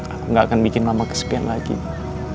aku gak akan bikin mama kesepian lagi nih